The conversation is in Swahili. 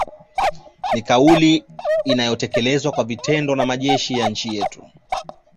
Ni kauli iliyotekelezwa kwa vitendo na majeshi ya nchi yetu